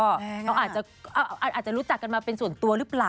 เขาอาจจะรู้จักกันมาเป็นส่วนตัวหรือเปล่า